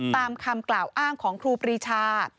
ตามคำกล่าวอ้างของครูปรีชา